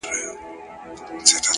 هوښیار انتخاب راتلونکې ستونزې کموي،